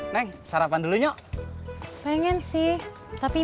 neng sarapan dulu nyok pengen sih tapi